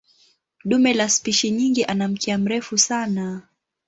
Dume la spishi nyingi ana mkia mrefu sana.